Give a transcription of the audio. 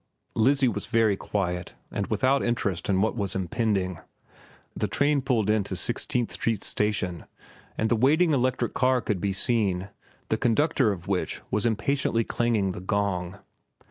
Lizzie was very quiet and without interest in what was impending. The train pulled in to Sixteenth Street Station, and the waiting electric car could be seen, the conductor of which was impatiently clanging the gong.